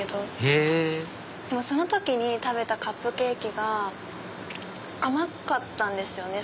へぇその時に食べたカップケーキが甘かったんですよね